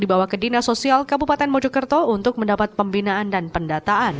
dibawa ke dinas sosial kabupaten mojokerto untuk mendapat pembinaan dan pendataan